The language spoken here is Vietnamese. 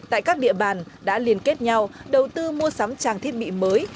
tại các địa bàn đã liên kết nhau đầu tư mua sắm trang thiết bị mới